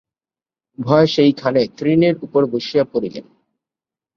উভয়ে সেই খানে তৃণের উপর বসিয়া পড়িলেন।